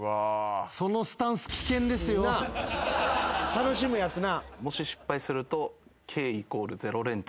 楽しむやつな。